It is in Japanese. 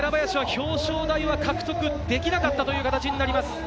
表彰台は獲得できなかったという形になります。